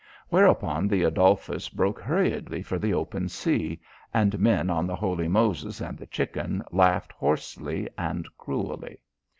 Whereupon the Adolphus broke hurriedly for the open sea, and men on the Holy Moses and the Chicken laughed hoarsely and cruelly.